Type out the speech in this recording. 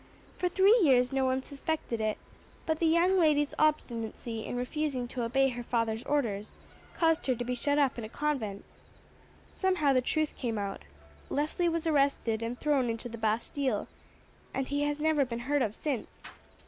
For three years no one suspected it; but the young lady's obstinacy in refusing to obey her father's orders caused her to be shut up in a convent. Somehow the truth came out. Leslie was arrested and thrown into the Bastille, and he has never been heard of since.